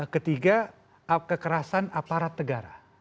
ketiga kekerasan aparat negara